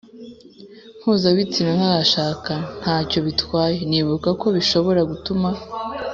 Mpuzabitsina ntarashaka nta cyo bitwaye nibuka ko bishobora gutuma